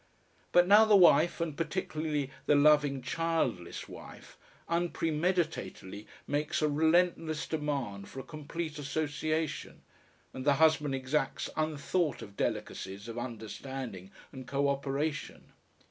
But now the wife, and particularly the loving childless wife, unpremeditatedly makes a relentless demand for a complete association, and the husband exacts unthought of delicacies of understanding and co operation.